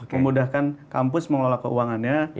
memudahkan kampus mengelola keuangannya